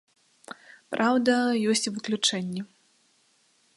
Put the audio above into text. Праўда, ёсць і выключэнні.